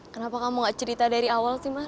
kenapa kamu gak cerita dari awal sih mas